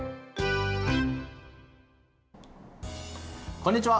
こんにちは。